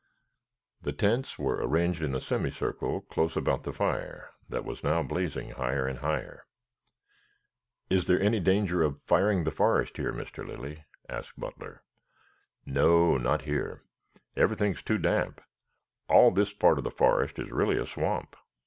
The tents were arranged in a semicircle close about the fire that was now blazing higher and higher. "Is there any danger of firing the forest here, Mr. Lilly?" asked Butler. "No, not here. Everything is too damp. All this part of the forest is really a swamp.